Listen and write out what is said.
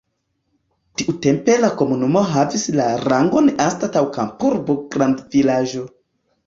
Tiutempe la komunumo havis la rangon anstataŭ kampurbo grandvilaĝo.